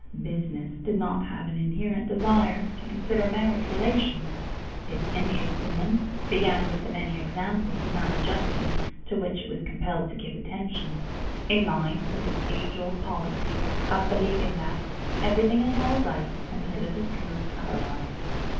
Business did not have an inherent desire to consider marriage relations. Its interest in them began with the many examples of maladjustment to which it was compelled to give attention, in line with its age old policy of believing that "everything is all right until it is proved otherwise."